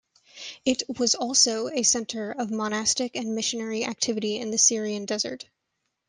It was also a centre of monastic and missionary activity in the Syrian Desert.